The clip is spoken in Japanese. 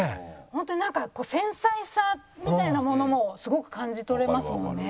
ホントになんか繊細さみたいなものもすごく感じ取れますもんね。